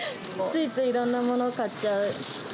ついついいろんなもの買っち